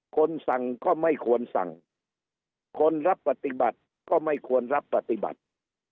คนสั่งก็ไม่ควรสั่งคนรับปฏิบัติก็ไม่ควรรับปฏิบัติ